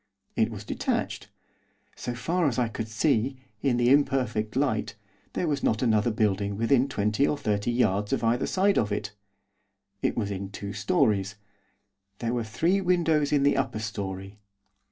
It was detached. So far as I could see, in the imperfect light, there was not another building within twenty or thirty yards of either side of it. It was in two storeys. There were three windows in the upper storey.